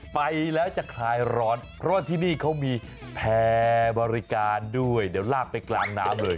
ไปแล้วจะคลายร้อนเพราะว่าที่นี่เขามีแพร่บริการด้วยเดี๋ยวลากไปกลางน้ำเลย